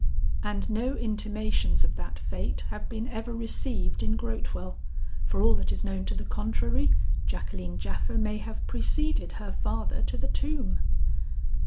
"And no intimations of that fate have been ever received in Grotewell. For all that is known to the contrary, Jacqueline Japha may have preceded her father to the tomb."